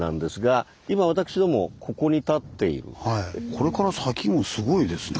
これから先もすごいですね。